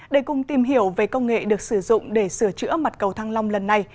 để cùng tìm hiểu về công nghệ được sử dụng để sửa chữa mặt cầu thăng long lần này